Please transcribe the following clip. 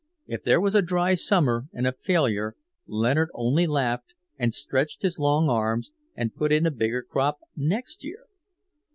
If there was a dry summer and a failure, Leonard only laughed and stretched his long arms, and put in a bigger crop next year.